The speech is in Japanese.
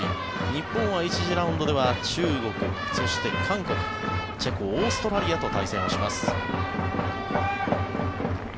日本は１次ラウンドでは中国、そして韓国チェコ、オーストラリアと対戦をします。